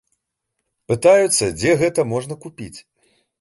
Пытаюцца, дзе гэта можна купіць.